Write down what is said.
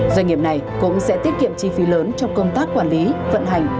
doanh nghiệp này cũng sẽ tiết kiệm chi phí lớn trong công tác quản lý vận hành